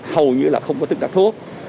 hầu như là không có tương tác thuốc